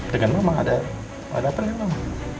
dengan mama ada apa ya mama